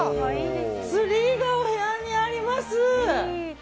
ツリーがお部屋にあります！